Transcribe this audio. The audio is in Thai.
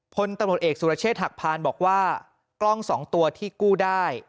พลตำรวจเอกสุรเชษฐหักพานบอกว่ากล้องสองตัวที่กู้ได้